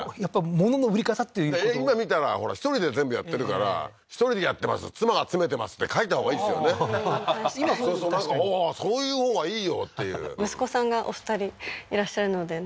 物の売り方っていう今見たらほら１人で全部やってるから１人でやってます妻が詰めてますって書いたほうがいいですよねなんかああーそういうほうがいいよっていう息子さんがお二人いらっしゃるのでね